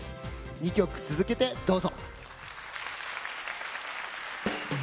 ２曲続けてどうぞ。